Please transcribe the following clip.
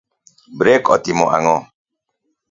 Brek otimo ango'?